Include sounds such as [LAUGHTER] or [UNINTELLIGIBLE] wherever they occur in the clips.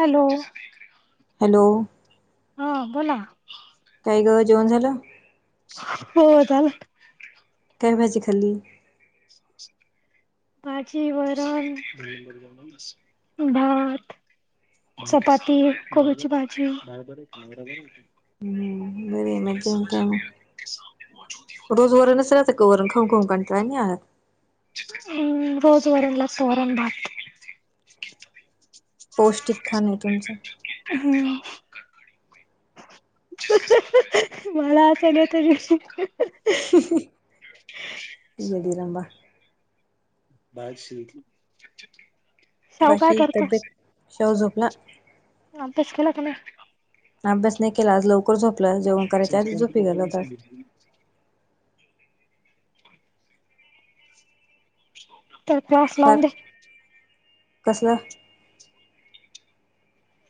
Hello hello हा बोला. काय ग जेवण झालं? हो झालं. काय भाजी खाल्ली? भाजी वरण भात चपाती कोबीची भाजी बरे मजा काय मग [UNINTELLIGIBLE] रोज वर नसर तर वरून खा खाऊ कंटाळा नाही आहे. रोज वरण लागतो वरण भात. पौष्टिक खाण आहे तुमचं हम्म. मला हसायला येतं. येडी रंबा. बाहेर श बाकी तब्येत शव झोपला? अभ्यास केला का नाही. अभ्यास नाही केला आज लवकर झोपला जेऊन. [UNINTELLIGIBLE] तर क्लास लाऊंदे. कसल?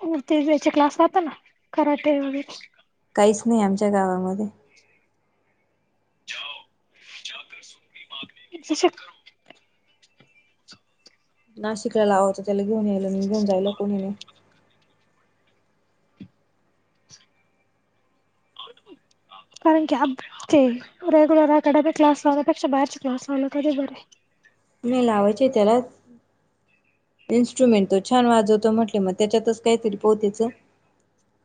आणि ते त्याचे क्लासला पण कराटे वैगेरे. काहीच नाही आमच्या गावामध्ये. [UNINTELLIGIBLE] नाशिकाला लावां होतं त्याला घेऊन यायला घेऊन जायला कोणी. [INAUDIBLE] कारण की अ ते रेग्युलर अकॅडमिक क्लास लावण्यापेक्षा बाहेरचे क्लास लावल कधी बर. नाही लावायचे त्याला. इन्स्ट्रुमेंट तो छान वाजवतो म्हटले मग त्याच्यातच काही तरी पोतेचं.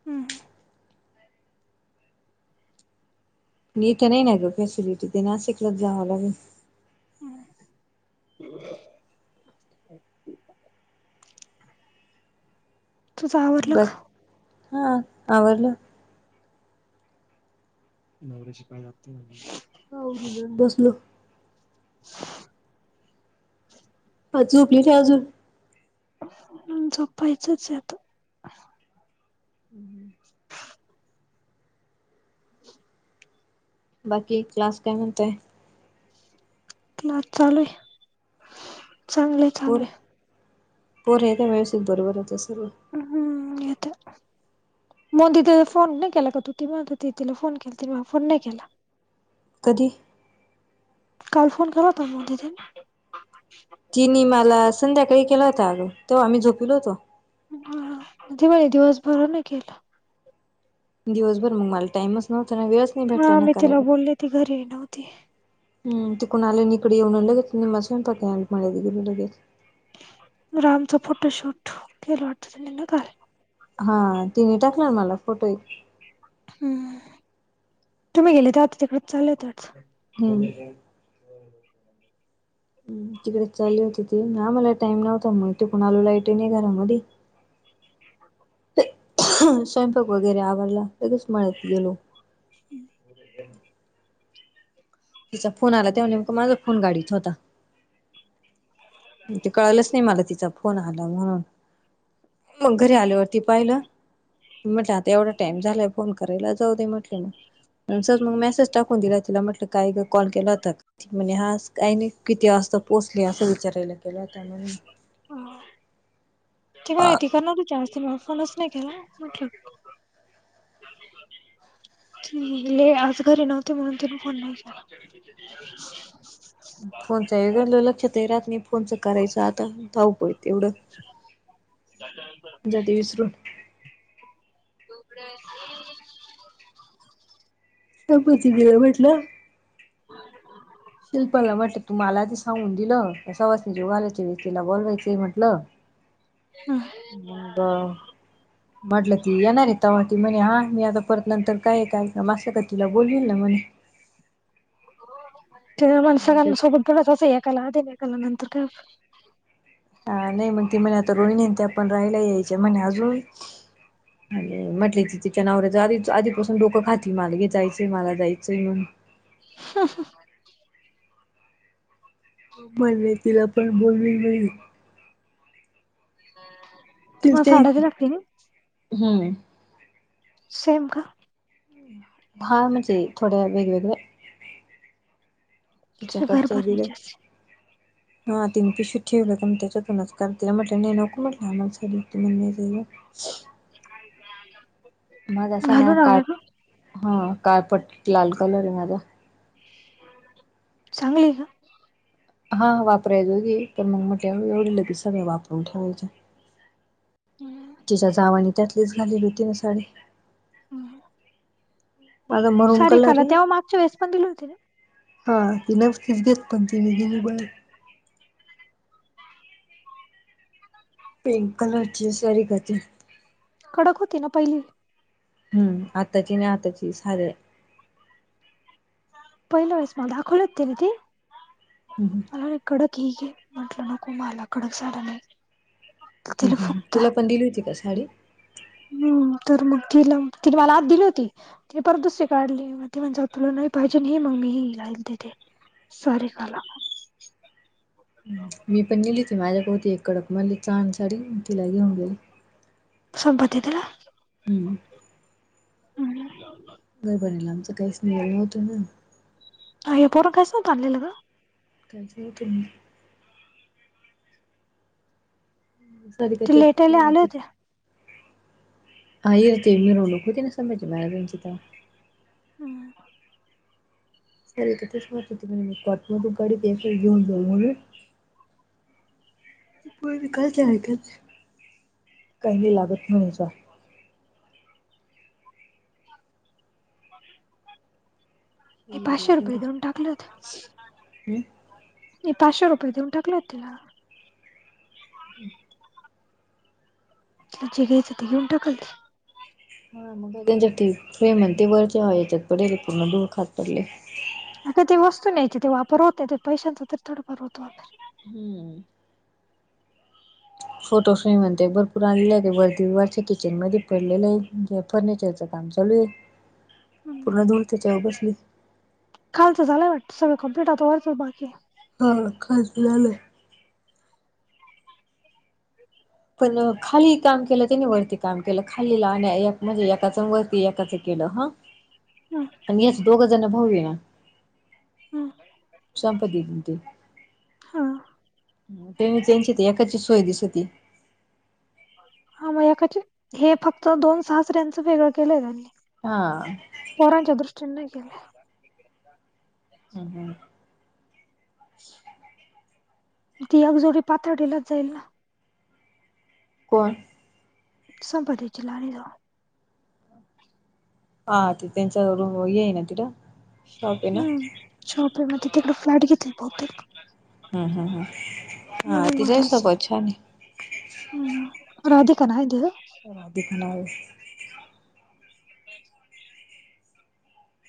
हम्. नाहीथ नाही ना गं फॅसिलिटी ते नाशिकल जावं लाग. हम् [INAUDIBLE] तुझं आवरलं बर का आवरल. नवऱ शिपाय जातो [UNINTELLIGIBLE] र बसलो [UNINTELLIGIBLE] अ झोपली का अजून. झोपायचंच आहेत. हम् हम. बाकी क्लास काय म्हणतय. चालूय चांगले. पोर पोर आहे त्या व्यवस्थित बरोबर होता सर्व. हम्म येत. मग तिथे फोन नाही केला का तू ती म्ह तिला फोन केला ति फोन नाही केला. कधी? काल फोन केला त मध्येद. तिनी मला संध्याकाळी केला होता अग तेव्हा आम्ही झोपिलो होतो. ह तेवा दिवसभर नाही केलं. दिवसभर मग मला टईमच नव्हता ना वेळेस. हा मी तिला बोलली ती घरी नव्हती. हम् तिकुणा आलन इकडे येऊन लगे निम स्वयंपक ह लगेच. रामचं फोटोशूट केलं वाटतं त्यांनी नका. हा तिने टाकणार मला फोटो. हम् तुम्ही गेले तर आता तिकड चालतच. हम्. तिकडे चाले होती ते ना मला टाइम नव्हता म्हण ते कोणा आलो लाईट आहे नाही घरामध्ये. स्वयंपाक वगैरे आवडला लगेच मिळत गेलो. हम्म. तिचा फोन आलाव्हा नेमक म माझ फोन गाडीत होता. ते कळलंच नाही मला तिचा फोन आला म्हणून. मग घरी हम्म आल्यावरती पाहिलं म्हटलं आता एवढं. टाइम झालाय फोन करायला जाऊ दे म्हटले मग. सर मग मेसेज टाकून दिला तिला म्हटलं काय ग कॉल केला होता. म्हणे हा काही नाही किती वाजता पोचले असं विचारायला केला होता म्हणून. [INAUDIBLE] ह ते मायथ करणार तू चार्ज म फोनस. नाही केला मकी. [INAUDIBLE] [INAUDIBLE] ल आज घरी नव्हते म्हणून तन फोन नाही. [UNINTELLIGIBLE] फोनच लक्षात ये राहात नाही फोनच करायच आता. थाऊपय एवढं ज ते विसरून. [UNINTELLIGIBLE] स पोती ग म्हटलं. शिल्पाला म्हटलं तू मला ते सांगून दिलं सवासने ज वालाच्या व्यक्तीला बोलवायचंय म्हटलं. [INAUDIBLE] हम. बर. म्हटलं ती येणारयं तव्हा ती म्हणे हा मी आता परत नंतर काय काय का मस्ं का तिला बोलेलिना म्हणे. [UNINTELLIGIBLE] माणसाना म्हटलं सोबत बलाचचं एकाला [UNINTELLIGIBLE] त्या एकाला नंतर हा नाही मग ती म्हणे आता रोहिणी त्या पण राहायला यायच्या म्हणे अजून. आणि म्हटलं ति तिच्या नवऱ्याच आधी आधीपासून डोंक खाती मल घे जायचंय मला जायचंय म्हणुन [UNINTELLIGIBLE] [UNINTELLIGIBLE] तिला पण बोलली नाही मी. तुम्हाला साड्या दिल्या का [UNINTELLIGIBLE] तिने? हम्म. सेम का? हा. म्हणजे थोड्या वेगवेगळ तुझे घर तिच्या [UNINTELLIGIBLE] दिले. भरणीचे असतील हा तिन पिशू ठेवलं तर म त्याच्यातूनच करतील म्हटलं नाही नको म्हटलं आम्हाला [UNINTELLIGIBLE] [UNINTELLIGIBLE] कायजा न - - माझा अस ना काळ हा काळपट्ट लाल कलर ए माझा. चांगली का? हा वापराय जोगी हाय पण मग म्हटल्या एवढलं की सगळं वापरून ठेवायच्या. हम्. तिच्या जावाने त्यातलीच घालेली होती ना साडी. हम. माझा मरून कलर सारीकाला तेव्हा मागच्या वेळेस पण दिली होती ना? हां तीनचं तिस घेत [UNINTELLIGIBLE] पिंक कलरची सारीकाची. कडक होती ना पहिली. हम्म. आताची नाही आताची साधी हाय. पहिल्या वेळेस मला दाखवली होती ना ती. हम हं. अरे कडक हे गे. म्हंटलं नको मला कडक साड्या [UNINTELLIGIBLE] ह ह फुगता तुला पण दिली होती का साडी? हम्म. तर मग तिला तिने मला आत दिली होती. मी परत दुसरी काढली मग ते म्हणज तुला नाही पाहिजे हे मग मी ही [UNINTELLIGIBLE] सारिकाला. मी पण नेली त माझ्याक होती एक कडक मली छान साडी तिला घेऊन गेली. संपत्ती दिला. हम्म. गरबनीयला आमचं काहीस [UNINTELLIGIBLE] होतं ना ताई हे पोर कायसं [UNINTELLIGIBLE] गं. त्याच तेनी तरि ते तिथे लेटायला आले होते [UNINTELLIGIBLE] हा इ यर ते मिरवणुक होती ना समज [UNINTELLIGIBLE] मी सर त तेच माह होती म्ह मी कॉट मधू गाडी ब्या घेऊन जाऊ म्हणून. विकयच [UNINTELLIGIBLE] काही नाही लागत [UNINTELLIGIBLE] जा. [INAUDIBLE] मी येडे पाचशे रुपये पोरं देऊन टाकले होते. हम्म मी पाचशे रुपये देऊन टाकलेत तिला. हम्. जे घ्यायच ते घऊन टाकल ती. हा मग त्यांच्यासाठी फेम ते वरच्या याच्यात पडेले पूर्णधुळ खात पडलयं. अग ते वस्तू नाहीयची ते वापर होत नाही. तर पैशांचा तर थोडाफार होतो वापर. हम्म. फोटोस म्हणते भरपूर आणलेला आहे ते वरदी वरच्या किचन मध्ये पडलेले हाईत. म्हणजे फर्निचरच काम चालू आहे पूर्ण धूळ त्याच्यावर बसली. खालं झालंय वाट सगं कं्प्लीट होतं वर बाकी हा खालती झालं पण खाली काम केलं त्यानी वरती काम केलं खालीला म्हणजे एकाचं वरती एकाचं केलं हा ह हम् पण येच दोघ जण भाऊ ये ना, हम्म संपती तते हा त्यांनी त्यांची ते एकाचीच सोय दिस होती. हा म एकाचे हे फक्त दोन सासऱ्याच वेगळं केलंय त्यांनी हा पोरांच्या दृष्टीने नाही केले. हम् हम ती एक जोडी पाथर्डी लाच जाईल. कोण संपती चलाणी जा हा ते त्यांचा रूम येई ना तिलां, हम्म शॉपे म तिकड फ्लॅट घेत बहुतेक हम् हम् ह हा म्हणून तिचा ही म्हटलं असलं. स्वभाव छान आहे. हम्म राधिकना इ राधिका नावं आहे. ह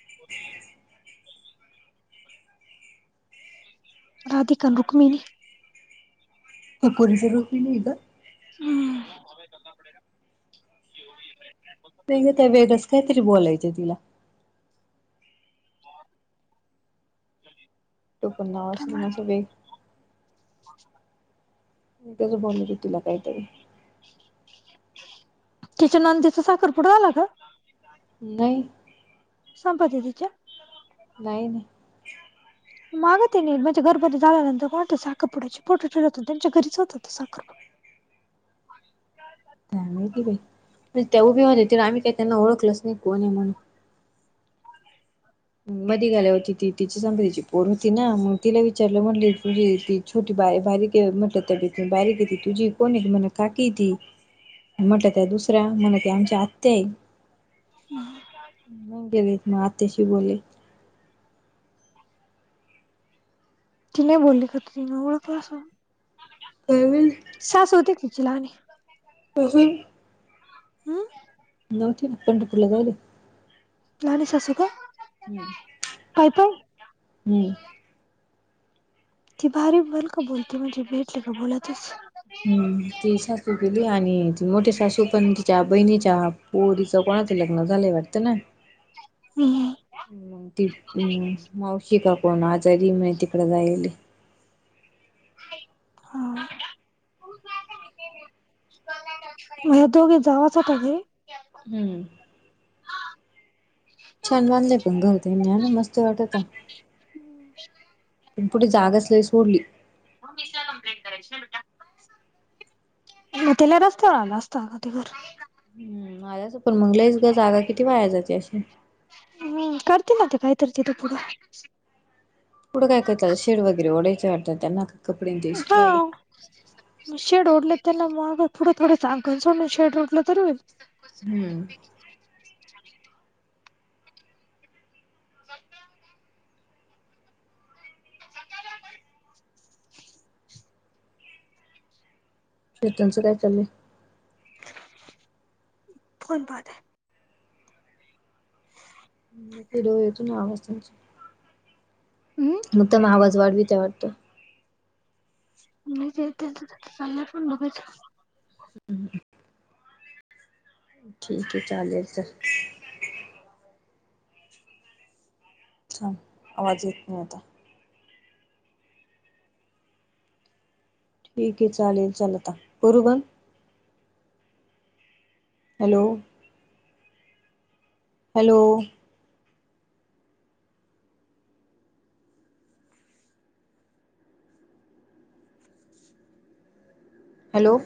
ह राधिका रुक्मिणी कपोरी जरूप नाही इ [INAUDIBLE] हम्म नाही ग त्या वेगळ्याच कायतरी बोलायचं तिला टोपण नाव असेल त्यामुळे असं वेगळं - मी त्याचं बोलते तुला काहीतरी तिच्या नणंदेचं साखर पुडा आला का? नाही. संपदतीच्या नाही नाही. माग ते न म्हणजे घरबरनी झाल्यानंतर कोणते साखरपुड्याची फोटो ठेवले त्यांच्या घरीच होतात साखरपुड- काय माहित बाई त्या उभे होले तर आम्ही काही त्यांना ओळखलंच नाही कोणी म्हणून. मधी गेल्या होती ती तिची संप तिची पोर होती ना मग तिला विचारलं म्हणलीे त- छोटी बा बारीक म्हटलं त बारीक गे ती तुझी कोण य त म्हण काकी ती- म्हटलं त्या दुसऱ्या म्हण त्या आमच्या आत्या नाही गेलेत मग आत्याशी बोले. ती नाही बोलली का? तिने ओळखलं असेल - तवी सासू होती काय तिची लहानी तून हम्म नव्हती ना पुंढरपूर ला जायेल ये. लहानी सासू का हम्म पाय पाय हम्म ती भारी बल का बोलते म्हणजे भेटले का बोलातस. हम्म ती सासू लय आणि मोठे सासू पण बहिणीच्या पोरीच कोणाचे लग्न झालेय वाटतं ना हम्म म ती् मावशी का पण आजारी मा तिकडे जायले. ह [INAUDIBLE] म दोघे जावाचटे [INAUDIBLE] हम्म. छान बांधलेय पण घऊते न ना मस्त वाटत. हम्म. पुढे जागाच लय सोडली. मग मीसला कंप्लेंट करायच ना बेटा. म त्याला रस्त होणार रस्ता कधी घर. [INAUDIBLE] माझाच पण मंगलस ग जागा किती वा्हायाय जाते अशी. हम्म करते ना ते कायतरीते त पुढे. पुुढं काय करतात शेड वगैरे ओायचें वात त्यांना कपडे दिस पाहियले. मग शेड ओढले त्यांना मग पुढे थोडं जागा सोडून शेड ओडलं तर होईल. हम्म. मजा असते. केतन च काय चाललंय. फोन बाद आहे. कीड येतो ना आवाज त्यांचा मग त्याम आवाज वाढवी त्या वाटतो. [UNINTELLIGIBLE] मीच येईल तीथ चालल्या पण लगेच. ह [INAUDIBLE] ठीक आहे चालेल चल. हा आवाज येत नाही आता. ठीक आहे चालेल चाल आता करू बंद. हॅलो. हॅलो. हॅलो.